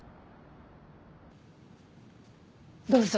どうぞ。